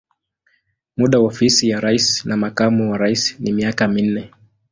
Muda wa ofisi ya rais na makamu wa rais ni miaka minne.